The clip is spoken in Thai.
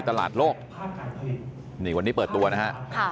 การสอบส่วนแล้วนะ